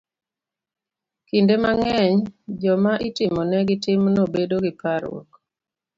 Kinde mang'eny, joma itimonegi timno bedo gi parruok